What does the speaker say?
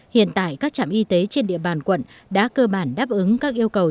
hiện tại các trạm y tế trên địa bàn quận đã cơ bản đáp ứng các yêu cầu